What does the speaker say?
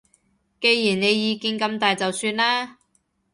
既然你意見咁大就算啦